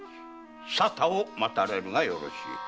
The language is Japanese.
沙汰を待たれるがよろしい。